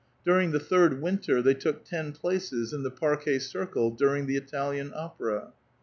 During the third winter they took tec places in the parquet circle during the Italian opera.